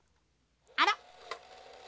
あら？